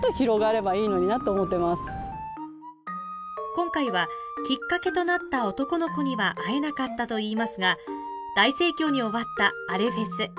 今回は、きっかけとなった男の子には会えなかったといいますが、大盛況に終わった「アレ！！ふぇす」。